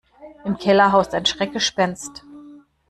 Im Keller haust ein Schreckgespenst.